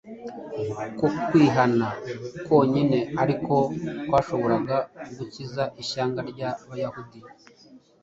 ko kwihana konyine ari ko kwashoboraga gukiza ishyanga ry’Abayahudi